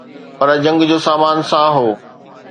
پر جنگ جو سامان ساڻ هو.